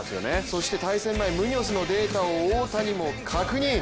そして、対戦前ムニョスのデータを大谷も確認。